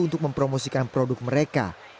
untuk mempromosikan produk mereka